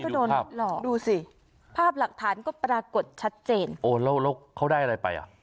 ก็โดนหลอกดูสิภาพหลักฐานก็ปรากฏชัดเจนโอ้แล้วแล้วเขาได้อะไรไปอ่ะ